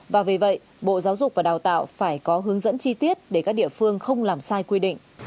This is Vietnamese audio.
và vì vậy bộ giáo dục và đào tạo phải có hướng dẫn chi tiết để các địa phương không làm sai quy định